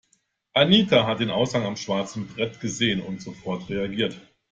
Anita hat den Aushang am schwarzen Brett gesehen und sofort reagiert.